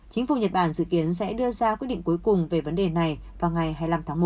chính phủ nhật bản dự kiến sẽ đưa ra quyết định cuối cùng về vấn đề này vào ngày hai mươi năm tháng một